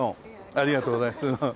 ありがとうございます。